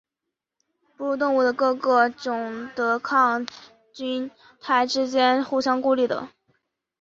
哺乳动物的各个种的抗菌肽之间是互相孤立的。